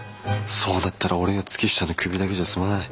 そうなったら俺や月下のクビだけじゃ済まない。